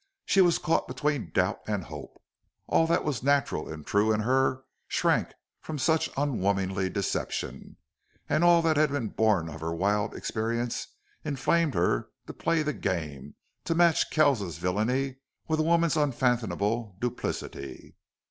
She was caught between doubt and hope. All that was natural and true in her shrank from such unwomanly deception; all that had been born of her wild experience inflamed her to play the game, to match Kells's villainy with a woman's unfathomable duplicity.